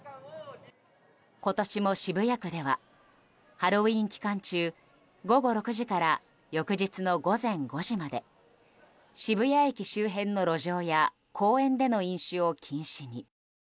今年も渋谷区ではハロウィーン期間中午後６時から翌日の午前５時まで渋谷駅周辺の路上や公園での飲酒を禁止に。